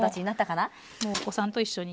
これもお子さんと一緒に。